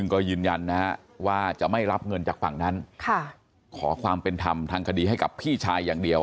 ก็ยืนยันนะฮะว่าจะไม่รับเงินจากฝั่งนั้นขอความเป็นธรรมทางคดีให้กับพี่ชายอย่างเดียว